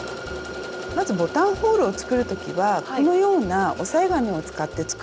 まずボタンホールを作る時はこのような押さえ金を使って作るんですね。